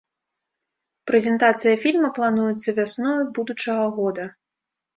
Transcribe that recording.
Прэзентацыя фільма плануецца вясною будучага года.